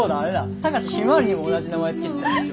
貴志ひまわりにも同じ名前付けてたでしょ。